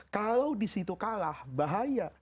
kalau di situ kalah bahaya